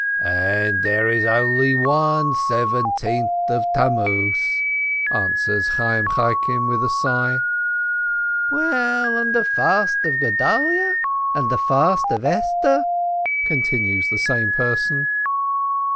"And there is only one Seventeenth of Tammuz!" answers Chayyim Chaikin, with a sigh. "Well, and the Fast of Gedaliah? and the Fast of Esther?" continues the same person.